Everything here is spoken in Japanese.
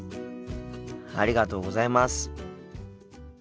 ありがとうございます。